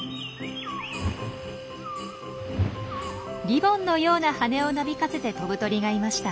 リボンのような羽をなびかせて飛ぶ鳥がいました。